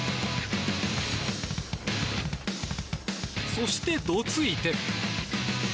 そして、どついて。